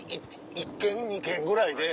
１軒２軒ぐらいで。